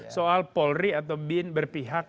soal polri atau bin berpihak